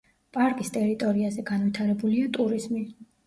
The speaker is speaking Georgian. პარკის ტერიტორიაზე განვითარებულია ტურიზმი.